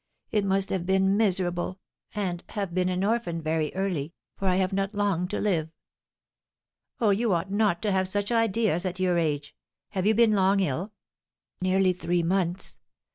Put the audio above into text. It must have been miserable, and have been an orphan very early, for I have not long to live." "Oh, you ought not to have such ideas at your age. Have you been long ill?" "Nearly three months.